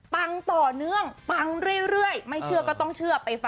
เป็นอยู่แล้วเลยอ่ะ